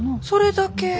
それだけ？